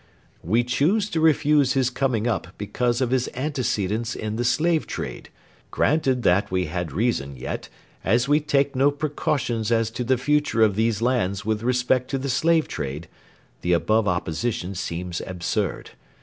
We choose to refuse his coming up because of his antecedents in re slave trade; granted that we had reason, yet, as we take no precautions as to the future of these lands with respect to the slave trade, the above opposition seems absurd.